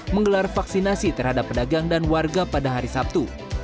menggelar vaksinasi terhadap pedagang dan warga pada hari sabtu